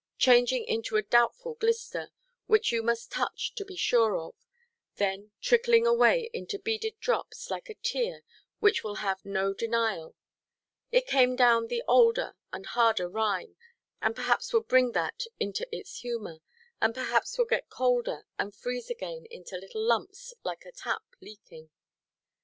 Changing into a doubtful glister, which you must touch to be sure of it, then trickling away into beaded drops, like a tear which will have no denial, it came down the older and harder rime, and perhaps would bring that into its humour, and perhaps would get colder and freeze again into little lumps, like a tap leaking.